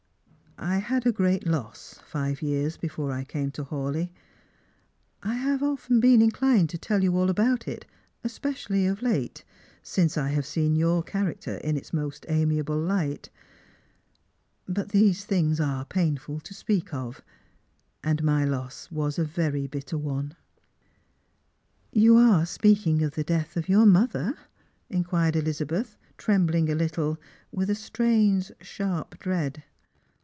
I had a great loss five years before I came to Hawleigh. I Jiava often been inclined to tell you all about it, especially of late, since I have seen your character in its most amiable light. But these things are painfril to speak of, and my loss was a very bitter one." " You are speaking of the death of your mother? " inquired EUzabeth, trembling a little, with a strange sharp dread.